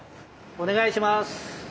お願いします！